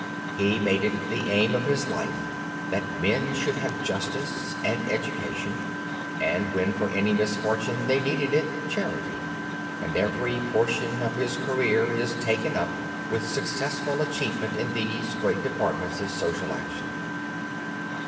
He made it the aim of his life that men should have justice, and education, and when for any misfortune they needed it, charity; and every portion of his career is taken up with successful achievement in these great departments of social action.